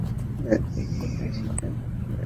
না দেখেই অস্বীকার করে দিলো।